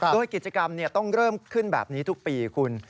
โดยกิจกรรมต้องเริ่มขึ้นแบบนี้ทุกปีคุณ